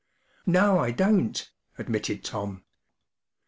44 No, I don’t/' admitted Tom.